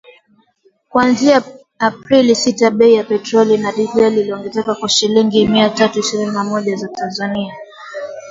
kuanzia Aprili sita bei ya petroli na dizeli iliongezeka kwa shilingi mia tatu ishirini na moja za Tanzania